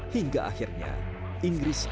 hingga akhirnya inggris menang